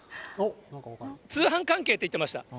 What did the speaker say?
通販関係って言ってました。